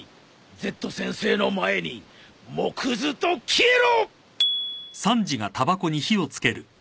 Ｚ先生の前に藻くずと消えろ！